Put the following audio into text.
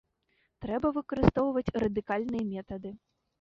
Трэба выкарыстоўваць радыкальныя метады.